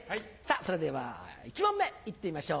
それでは１問目いってみましょう。